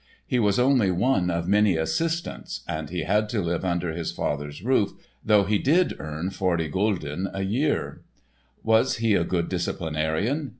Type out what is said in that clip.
He was only one of many "assistants" and he had to live under his father's roof, though he did earn forty gulden a year. Was he a good disciplinarian?